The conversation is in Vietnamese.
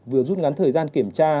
vừa rút ngắn thời gian kiểm tra